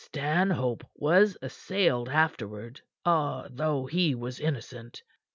Stanhope was assailed afterward, though he was innocent.